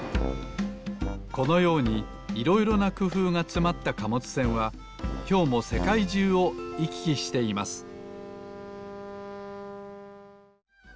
このようにいろいろなくふうがつまった貨物船はきょうもせかいじゅうをいききしています